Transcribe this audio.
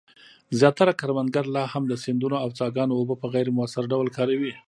زیاتره کروندګر لا هم د سیندونو او څاګانو اوبه په غیر مؤثر ډول کاروي.